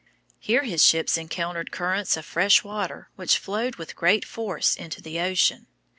Here his ships encountered currents of fresh water which flowed with great force into the ocean.